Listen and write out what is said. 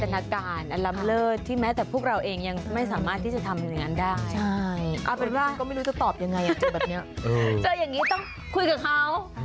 รายเตียงสาคือเขาไม่รู้หรอกว่า